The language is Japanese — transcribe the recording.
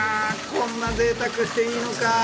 こんなぜいたくしていいのか。